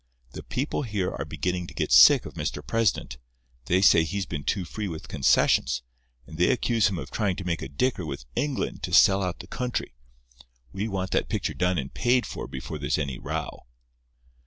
The people here are beginning to get sick of Mr. President. They say he's been too free with concessions; and they accuse him of trying to make a dicker with England to sell out the country. We want that picture done and paid for before there's any row."